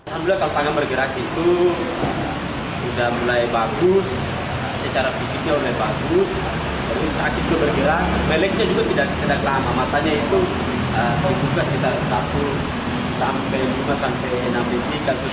sebelumnya pertanganan bergerak itu sudah mulai bagus